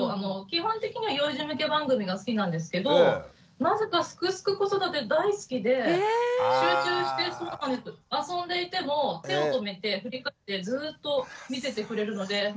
基本的には幼児向け番組が好きなんですけどなぜか「すくすく子育て」大好きで集中して遊んでいても手を止めて振り返ってずっと見ててくれるので本当に助かってます。